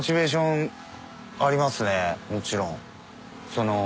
もちろん。